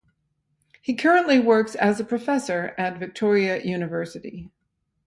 He currently works as a professor at Victoria University.